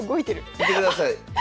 見てください。